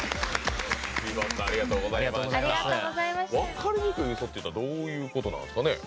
分かりにくいっていうのはどういうことなんですかね？